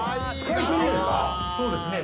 そうですね。